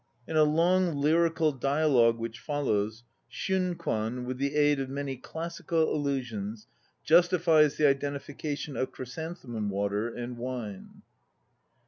In a long lyrical dialogue which follows, Shunkwan, with the aid of many classical allusions, justifies the identification of chrysan themum water and wine.